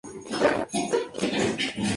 Algunos de sus fundadores son Dra.